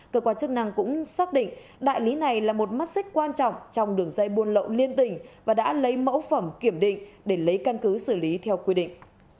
cơ quan chức năng cũng xác định đại lý này là một mắt xích quan trọng trong đường dây buôn lậu liên tỉnh và đã lấy mẫu phẩm kiểm định để lấy căn cứ xử lý theo quy định